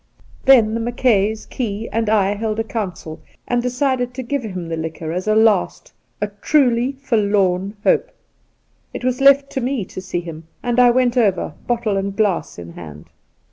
Then the Mackays, Key, and I held a council, and decided to give him the liquor as a last — a truly forlorn — hope. It was left to me to see him, and I went oyer bottle and glass in hand.